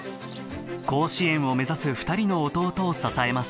甲子園を目指す二人の弟を支えます